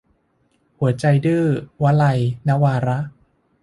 หัวใจดื้อ - วลัย นวาระ